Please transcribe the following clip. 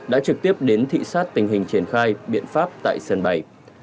đã trực tiếp đến thị xát tình hình triển khai biện pháp tại sân bay